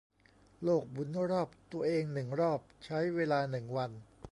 โลกหมุนรอบตัวเองหนึ่งรอบใช้เวลาหนึ่งวัน